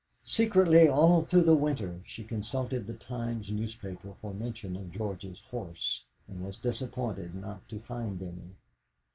Secretly all through the winter she consulted the Times newspaper for mention of George's horse, and was disappointed not to find any.